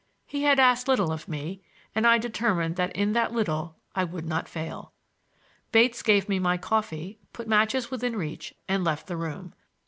He had asked little of me, and I determined that in that little I would not fail. Bates gave me my coffee, put matches within reach and left the room.